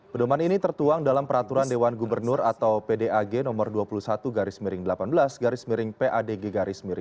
pendoman ini tertuang dalam peraturan dewan gubernur atau pdag no dua puluh satu delapan belas padg dua ribu sembilan belas